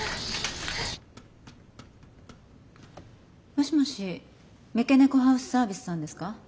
もしもし三毛猫ハウスサービスさんですか？